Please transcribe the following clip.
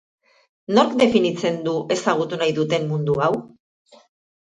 Nork definitzen du ezagutu nahi duten mundu hau?